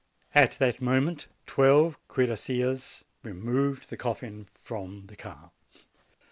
"At that moment twelve cuirassiers removed the coffin from the car.